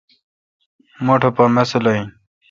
مٹھ پا ماسلہ این۔